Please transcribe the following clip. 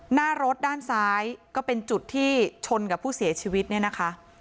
หน้ารถด้านซ้ายก็เป็นจุดที่ชนกับผู้เสียชีวิตเนี่ยนะคะ